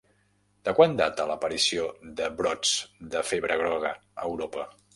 De quan data l'aparició de brots de febre groga a Europa?